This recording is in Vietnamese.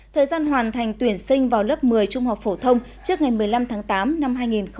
thời gian hoàn thành tuyển sinh vào lớp một mươi trung học phổ thông trước ngày một mươi năm tháng tám năm hai nghìn hai mươi